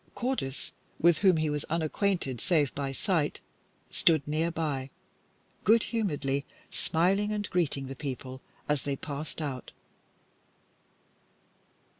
Cordis, with whom he was unacquainted save by sight, stood near by, good humouredly smiling, and greeting the people as they passed out.